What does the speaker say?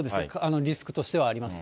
リスクとしてはありますね。